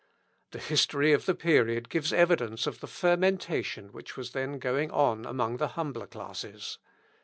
The history of the period gives evidence of the fermentation which was then going on among the humbler classes.